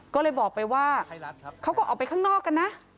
ก็เลยบอกไปว่าเขาก็ออกไปข้างนอกกันนะ